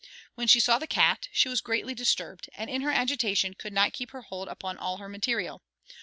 When she saw the cat, she was greatly disturbed, and in her agitation could not keep her hold upon all her material.